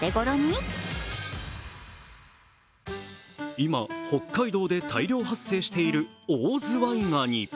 今、北海道で大量発生しているオオズワイガニ。